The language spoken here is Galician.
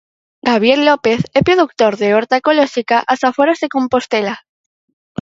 Gabriel López é produtor de horta ecolóxica ás aforas de Compostela.